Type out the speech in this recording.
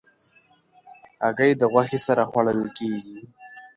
هګۍ د غوښې سره خوړل کېږي.